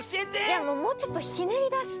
いやもうちょっとひねりだしてよ。